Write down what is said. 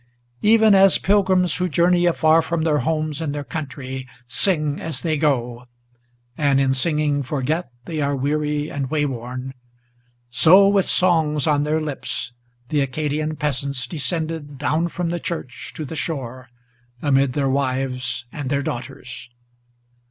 Even as pilgrims, who journey afar from their homes and their country, Sing as they go, and in singing forget they are weary and wayworn, So with songs on their lips the Acadian peasants descended Down from the church to the shore, amid their wives and their daughters.